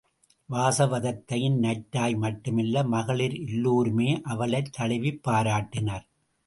வாசவதத்தையின் நற்றாய் மட்டுமல்ல மகளிர் எல்லோருமே அவளைத் தழுவிப் பாராட்டினர்.